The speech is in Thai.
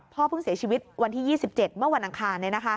เพิ่งเสียชีวิตวันที่๒๗เมื่อวันอังคาร